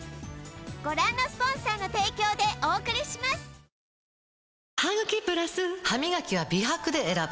どうぞハミガキは美白で選ぶ！